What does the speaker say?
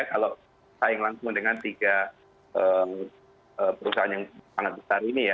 kalau saing langsung dengan tiga perusahaan yang sangat besar ini ya